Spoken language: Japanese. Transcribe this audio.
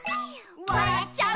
「わらっちゃう」